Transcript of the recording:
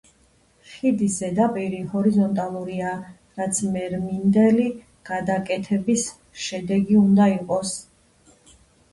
ხიდის ზედაპირი ჰორიზონტალურია, რაც მერმინდელი გადაკეთების შედეგი უნდა იყოს.